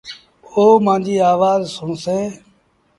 او مآݩجيٚ آوآز سُڻسيݩ